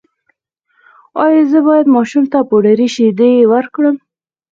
ایا زه باید ماشوم ته پوډري شیدې ورکړم؟